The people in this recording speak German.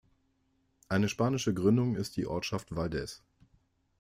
Eine spanische Gründung ist die Ortschaft Valdez.